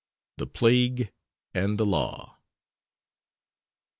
THE PLAGUE AND THE LAW.